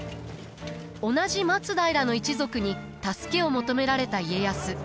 同じ松平の一族に助けを求められた家康。